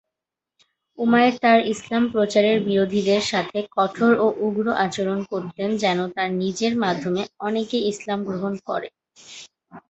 উমাইর তার ইসলাম প্রচারের বিরোধীদের সাথে কঠোর ও উগ্র আচরণ করতেন যেন তার নিজের মাধ্যমে অনেকে ইসলাম ধর্ম গ্রহণ করে।